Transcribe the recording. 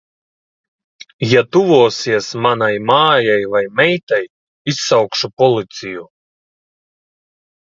Ja tuvosies manai mājai vai meitai, izsaukšu policiju.